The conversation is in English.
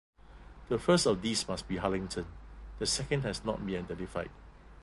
The first of these must be Harlington; the second has not been identified.